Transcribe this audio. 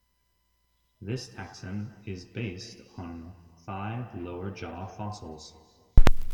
This taxon is based on five lower jaw fossils.